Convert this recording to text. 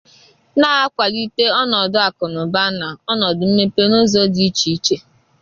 na-akwàlite ọnọdụ akụnụba na ọnọdụ mmepe n'ụzọ dị iche iche.